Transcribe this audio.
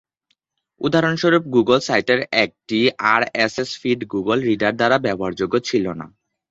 উদাহরণস্বরূপ, গুগল সাইটের একটি আরএসএস ফিড গুগল রিডার দ্বারা ব্যবহারযোগ্য ছিল না।